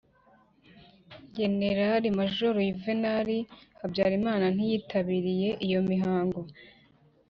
generali majoro yuvenali habyarimana ntiyitabiriye iyo mihango.